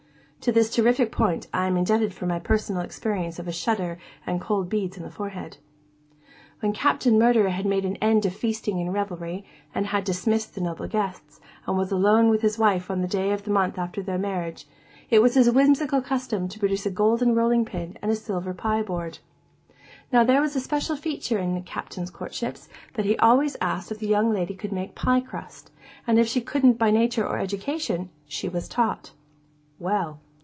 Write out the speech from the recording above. (To this terrific point I am indebted for my first personal experience of a shudder and cold beads on the forehead.) When Captain Murderer had made an end of feasting and revelry, and had dismissed the noble guests, and was alone with his wife on the day month after their marriage, it was his whimsical custom to produce a golden rolling pin and a silver pie board. Now, there was this special feature in the Captain's courtships, that he always asked if the young lady could make pie crust; and if she couldn't by nature or education, she was taught. Well.